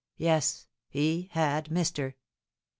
Yes, he had missed her.